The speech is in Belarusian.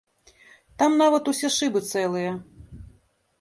Там нават усе шыбы цэлыя.